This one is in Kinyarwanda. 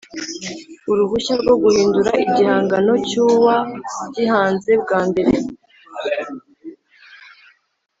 Uruhushya rwo guhindura igihangano cyuwagihanze bwa mbere